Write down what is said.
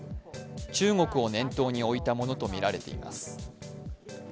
中国を念頭に置いたものとみられています。